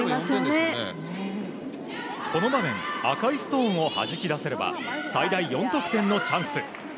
この場面赤いストーンをはじき出せれば最大４得点のチャンス。